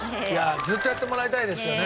ずっとやってもらいたいですよね。